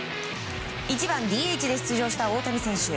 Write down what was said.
１番ＤＨで出場した大谷選手。